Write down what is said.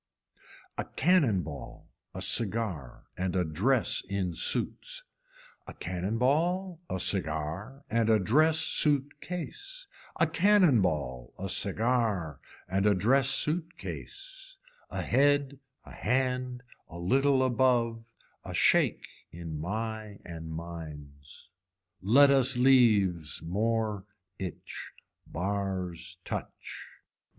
A cannon ball a cigar and a dress in suits, a cannon ball a cigar and a dress suit case, a cannon ball a cigar and a dress suit case, a head a hand a little above, a shake in my and mines. Let us leaves, moor itch. Bars touch.